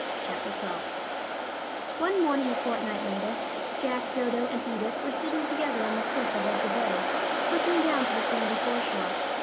CHAPTER XII One morning a fortnight later, Jack, Dodo, and Edith were sitting together on the cliff above the bay, looking down to the sandy foreshore.